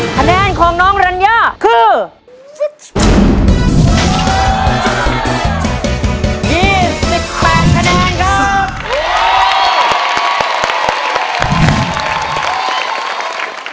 คะแนนของน้องรัญญาคือ๒๘คะแนนครับ